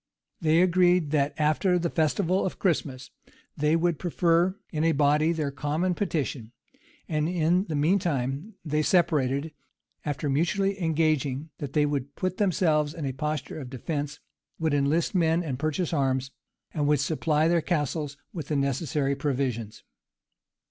[] They agreed that, after the festival of Christmas, they would prefer in a body their common petition; and in the mean time they separated, after mutually engaging that they would put themselves in a posture of defence, would enlist men and purchase arms, and would supply their castles with the necessary provisions.